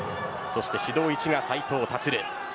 そして指導１が斉藤立。